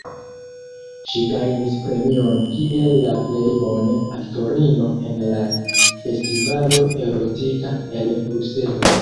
Ŝi gajnis premion kiel la plej bone aktorino en la Festivalo Erotika el Bruselo.